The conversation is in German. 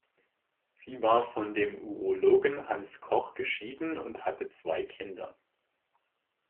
Sie war von dem Urologen Hans Koch geschieden und hatte zwei Kinder.